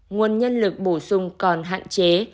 nguồn nhân lực bổ sung còn hạn chế